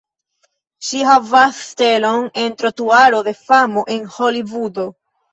Ŝi havas stelon en Trotuaro de famo en Holivudo.